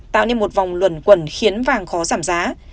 tạo nên một vòng luẩn quẩn khiến vàng khó giảm giá